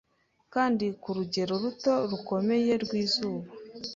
kandi ku rugero ruto rukomeye rw'izuba